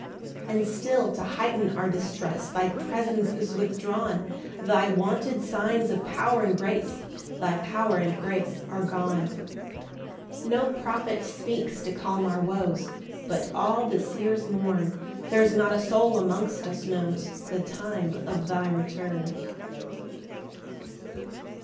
7 And still to heighten our distress Thy presence is withdrawn; Thy wonted signs of power and grace, Thy power and grace are gone. 8 No prophet speaks to calm our woes, But all the seers mourn; There's not a soul amongst us knows The time of thy return.